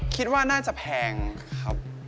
คิดว่าน่าจะแพงครับ